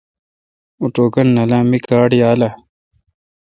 اوں ٹوکن نالاں آں می کارڈ یالہ؟